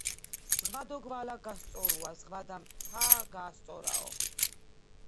ზღვა დო გვალა გასწორუა."ზღვა და მთა გაასწორაო.